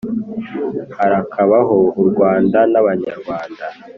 harakabaho u rwanda n’abanyarwanda